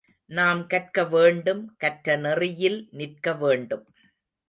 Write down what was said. நாம் கற்க வேண்டும் கற்றநெறியில் நிற்க வேண்டும்.